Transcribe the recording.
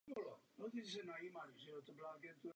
Budova farní školy stávala mezi kostelem a farou.